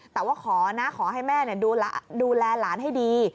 แต่ว่าขอนะขอให้แม่ดูแลหลานให้ดี